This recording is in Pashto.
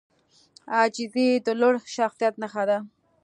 عاجزي د لوړ شخصیت نښه ده.